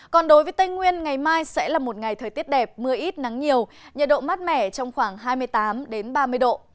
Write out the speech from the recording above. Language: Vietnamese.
còn đối với tây nguyên ngày mai sẽ là một ngày thời tiết đẹp mưa ít nắng nhiều nhiệt độ mát mẻ trong khoảng hai mươi tám ba mươi độ